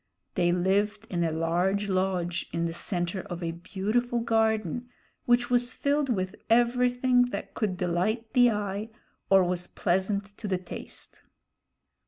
They lived in a large lodge in the center of a beautiful garden, which was filled with everything that could delight the eye or was pleasant to the taste.